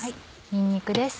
にんにくです。